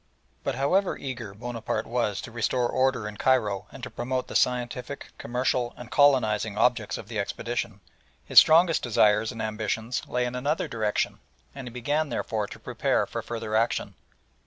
But however eager Bonaparte was to restore order in Cairo and to promote the scientific, commercial, and colonising objects of the expedition, his strongest desires and ambitions lay in another direction, and he began therefore to prepare for further action.